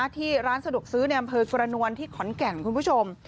ที่ร้านสะดวกซื้อในอำเภอสุรนวลที่ขอนแก่นคุณผู้ชม